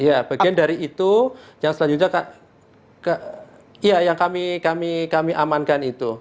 ya bagian dari itu yang selanjutnya yang kami amankan itu